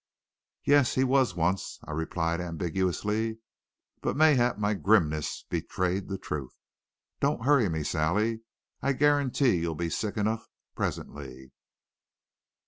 "Yes, he was once," I replied ambiguously, but mayhap my grimness betrayed the truth. "Don't hurry me, Sally. I guarantee you'll be sick enough presently.